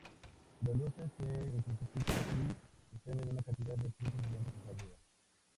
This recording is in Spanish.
Las luces se intensifican y desprenden una cantidad de puntos brillantes hacia arriba.